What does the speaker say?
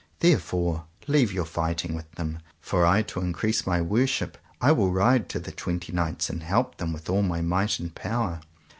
Therefore leave your fighting with them, for I to increase my worship I will ride to the twenty knights and help them with all my might and power.